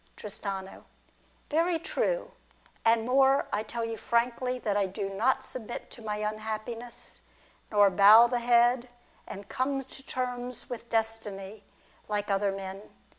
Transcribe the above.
Tristano. Very true. And more, I tell you frankly that I do not submit to my unhappiness, nor bow the head, and come to terms with Destiny, like other men.